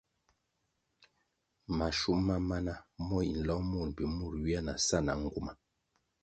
Mashum ma mana mo yi nlong mur mbpi mur ywia na sa na nguma.